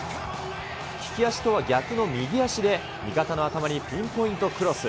利き足とは逆の右足で、味方の頭にピンポイントクロス。